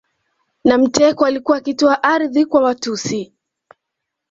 Na mteko alikuwa akitoa ardhi kwa Watusi